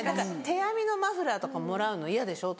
手編みのマフラーとかもらうの嫌でしょ？